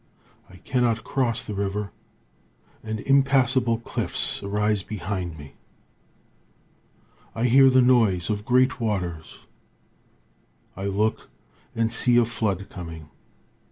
I cannot cross the river, and impassable cliffs arise behind me. I hear the noise of great waters; I look, and see a flood coming.